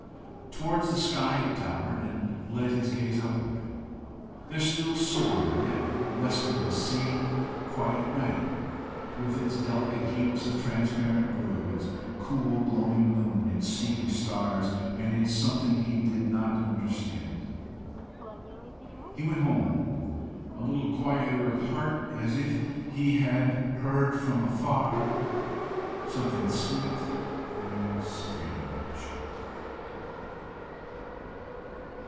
Towards the sky it towered, and led his gaze upward. There still soared, yet rested, the same quiet night with its delicate heaps of transparent blue, its cool glowing moon, its steely stars, and its something he did not understand. He went home a little quieter of heart, as if he had heard from afar something sweet and strange.